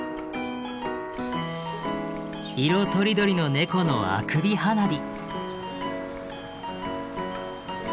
色とりどりのネコのあくび花火。